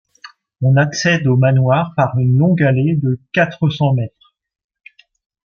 On accède au manoir par une longue allée de quatre-cents mètres.